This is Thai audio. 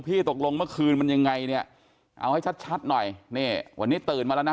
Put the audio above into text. ตกลงเมื่อคืนมันยังไงเนี่ยเอาให้ชัดชัดหน่อยนี่วันนี้ตื่นมาแล้วนะ